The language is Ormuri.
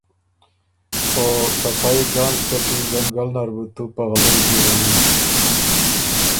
او ته پئ ګنړ څټي ځنګل نر بُو تُو په غلې جېرَوی۔